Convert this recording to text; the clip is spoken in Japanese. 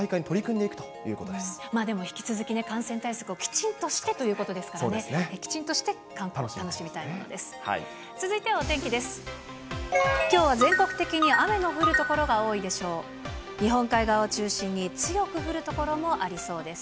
でも、引き続きね、感染対策をきちんとしてということですからね、きちんとして、観光を楽しみたいものです。